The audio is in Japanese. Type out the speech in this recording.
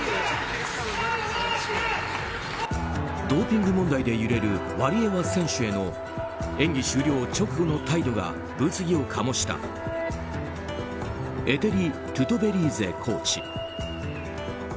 ドーピング問題で揺れるワリエワ選手への演技終了直後の態度が物議を醸したエテリ・トゥトベリーゼコーチ。